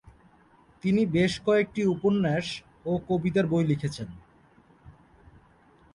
তিনি বেশ কয়েকটি উপন্যাস ও কবিতার বই লিখেছেন।